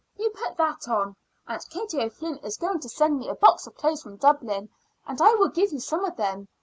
You put that on. Aunt Katie O'Flynn is going to send me a box of clothes from Dublin, and I will give you some of them.